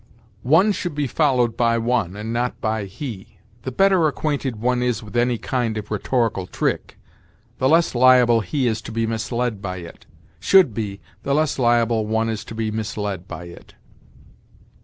One should be followed by one, and not by he. "The better acquainted one is with any kind of rhetorical trick, the less liable he is to be misled by it." Should be, "the less liable one is to be misled by it."